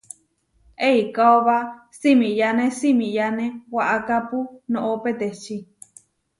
Eikóba simiyáne simiyáne waʼakápu noʼó peteči.